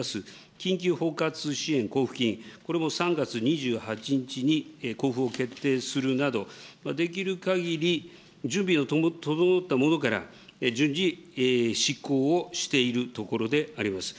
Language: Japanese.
緊急包括支援交付金、これも３月２８日に交付を決定するなど、できるかぎり準備の整ったものから、順次、執行をしているところであります。